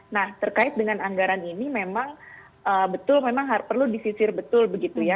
nah terkait dengan anggaran ini memang betul memang perlu disisir betul begitu ya